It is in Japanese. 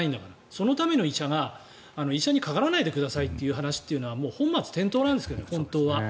そのための医者が医者にかからないでくださいという話は本末転倒なんですよ。